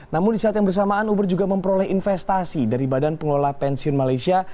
namun di saat yang bersamaan uber juga memperoleh investasi dari badan pengelola pensiun malaysia